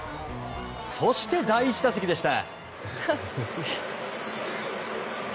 そして、第１打席でした。